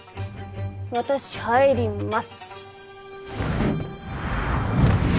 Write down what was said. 私入ります。